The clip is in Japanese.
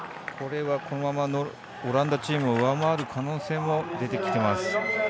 このままオランダチームを上回る可能性も出てきています。